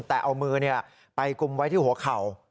แต่เอามือไปกุมไว้ที่หัวเข่า